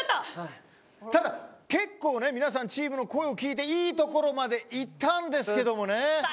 ただ結構皆さんチームの声を聞いていいところまでいったんですけどね。